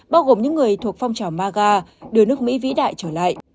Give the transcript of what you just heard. bao gồm những người thuộc phong trào maga đưa nước mỹ vĩ đại trở lại